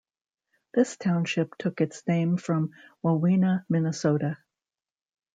This township took its name from Wawina, Minnesota.